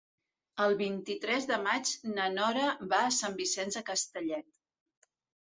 El vint-i-tres de maig na Nora va a Sant Vicenç de Castellet.